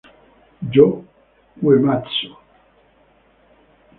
Yo Uematsu